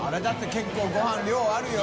結構ごはん量あるよ。